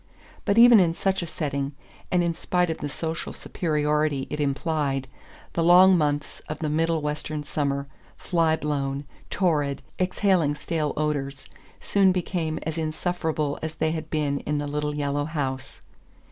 But even in such a setting, and in spite of the social superiority it implied, the long months of the middle western summer, fly blown, torrid, exhaling stale odours, soon became as insufferable as they had been in the little yellow house.